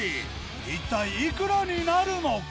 一体いくらになるのか！？